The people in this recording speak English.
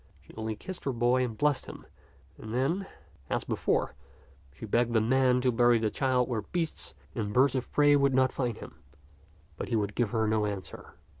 She only kissed her boy and blessed him, and then, as before, she begged the man to bury the child where beasts and birds of prey would not find him ; but he would give her no answer.